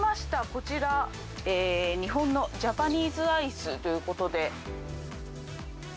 こちら、日本のジャパニーズアイスということで。